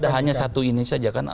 hanya satu ini saja kan